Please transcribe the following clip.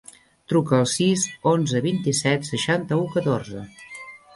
Truca al sis, onze, vint-i-set, seixanta-u, catorze.